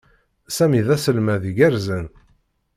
Sami d aselmad iggerzen.